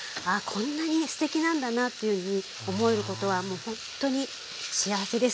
こんなにすてきなんだなというふうに思えることはもうほんとに幸せです。